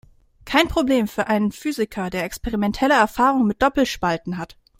Kein Problem für einen Physiker, der experimentelle Erfahrung mit Doppelspalten hat.